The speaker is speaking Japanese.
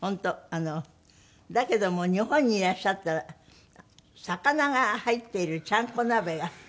だけども日本にいらっしゃったら魚が入っているちゃんこ鍋が。